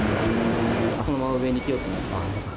このまま上に着ようと思って。